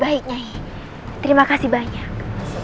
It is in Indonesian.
baik nyai terima kasih banyak